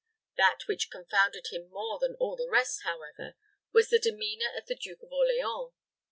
That which confounded him more than all the rest, however, was the demeanor of the Duke of Orleans.